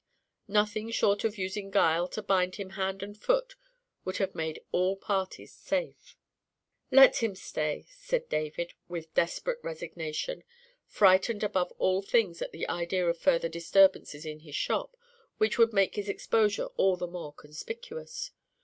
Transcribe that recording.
Nothing short of using guile to bind him hand and foot would have made all parties safe. "Let him stay," said David, with desperate resignation, frightened above all things at the idea of further disturbances in his shop, which would make his exposure all the more conspicuous.